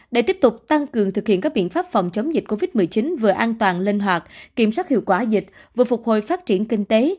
để tiếp tục tăng cường thực hiện các biện pháp phòng chống dịch covid một mươi chín vừa an toàn linh hoạt kiểm soát hiệu quả dịch vừa phục hồi phát triển kinh tế